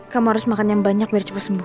kamu harus makan yang banyak biar cepat sembuh